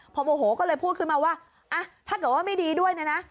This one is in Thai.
พอโมโหก็เลยพูดขึ้นมาว่าถ้าเกิดว่าไม่ดีด้วยเนี่ยนะ